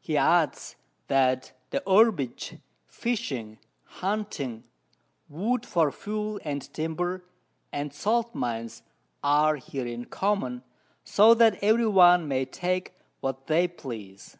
He adds, that the Herbage, Fishing, Hunting, Wood for Fuel and Timber, and Salt Mines, are here in common, so that every one may take what they please.